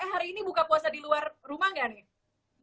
hari ini buka puasa di luar rumah nggak nih